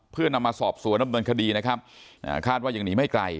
เพื่อนนำมาสอบสวนด้านบรรคดีนะครับคาดอย่างหนีไม่ไกล